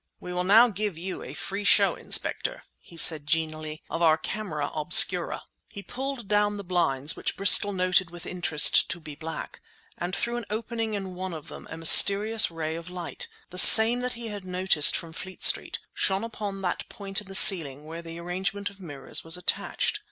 "We will now give you a free show, Inspector," he said, genially, "of our camera obscura!" He pulled down the blinds, which Bristol noted with interest to be black, but through an opening in one of them a mysterious ray of light—the same that he had noticed from Fleet Street—shone upon that point in the ceiling where the arrangement of mirrors was attached.